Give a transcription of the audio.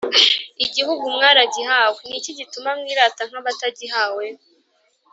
Igihugu mwaragihawe ni iki gituma mwirata nk’ abatagihawe